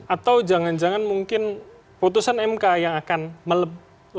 atau jangan jangan mungkin putusan mk yang akan melebih